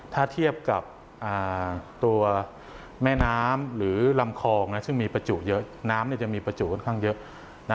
ถ้าเทียบกับตัวแม่น้ำหรือลำคลองซึ่งมีประจุเยอะน้ำจะมีประจุค่อนข้างเยอะ